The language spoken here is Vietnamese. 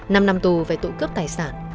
năm năm tù về tội cướp tài sản